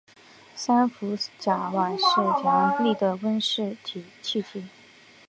三氟甲烷是强力的温室气体。